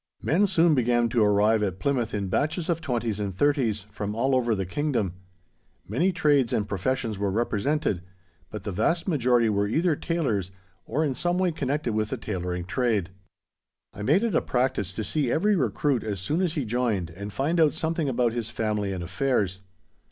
Men soon began to arrive at Plymouth in batches of twenties and thirties, from all over the Kingdom. Many trades and professions were represented, but the vast majority were either tailors or in some way connected with the tailoring trade. I made it a practice to see every recruit as soon as he joined and find out something about his family and affairs.